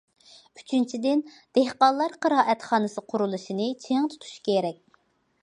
ئۈچىنچىدىن، دېھقانلار قىرائەتخانىسى قۇرۇلۇشىنى چىڭ تۇتۇش كېرەك.